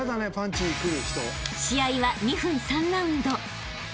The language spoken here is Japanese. ［試合は２分３ラウンド］